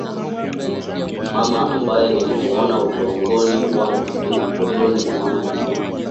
Mama ambaye nilimwona udogoni wangu tu